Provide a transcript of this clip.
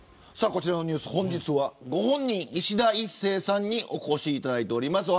こちらのニュース本日は、ご本人いしだ壱成さんにお越しいただいております。